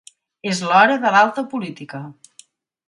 És l'hora de l'alta política.